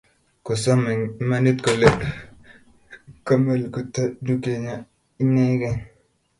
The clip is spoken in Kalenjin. kosom eng imanit kole komelkto dukennyi inengei